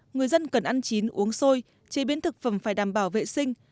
người dân cần ăn chín uống xôi chế biến thực phẩm phải đảm bảo vệ sinh